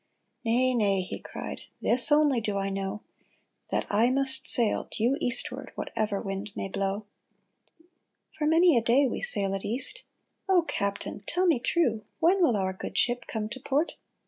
" Nay, nay," he cried, '' This only do I know, That I must sail due eastward Whatever wind may blow." For many a day we sailed east. " O captain, tell me true. When will our good ship come to port